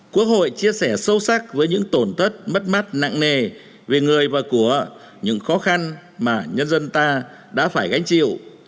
quốc hội chia sẻ sâu sắc với những tổn thất mất mát nặng nề về người và của những khó khăn mà nhân dân ta đã phải gánh chịu